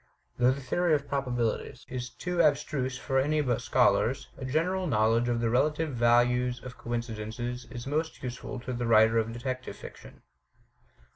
Though the theory of probabilities is too abstruse for any but scholars, a general knowledge of the relative values of coincidences is most useful to the writer of detective fiction.